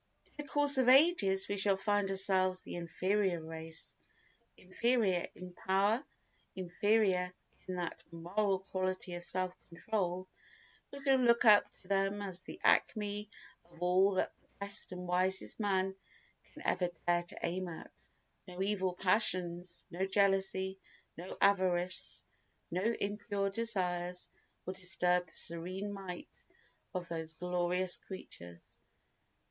In the course of ages we shall find ourselves the inferior race. Inferior in power, inferior in that moral quality of self control, we shall look up to them as the acme of all that the best and wisest man can ever dare to aim at. No evil passions, no jealousy, no avarice, no impure desires will disturb the serene might of those glorious creatures.